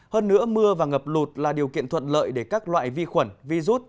hơn nữa mưa và ngập lụt là điều kiện thuận lợi để các loại vi khuẩn vi rút